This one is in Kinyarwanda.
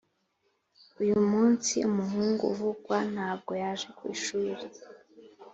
uyu munsi umuhungu uvugwa ntabwo yaje ku ishuri.